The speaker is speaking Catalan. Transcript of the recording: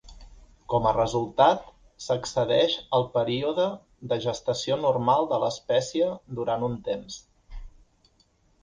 Com a resultat, s'excedeix el període de gestació normal de l'espècie durant un temps.